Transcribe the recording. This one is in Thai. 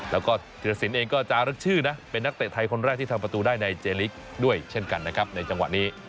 แล้วก็ธิรสินเองก็จารึกชื่อนะเป็นนักเตะไทยคนแรกที่ทำประตูได้ในเจลิกด้วยเช่นกันนะครับในจังหวะนี้